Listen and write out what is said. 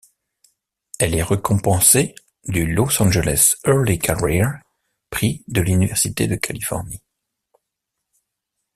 Elle est récompensée du Los Angeles Early Career, prix de l'Université de Californie.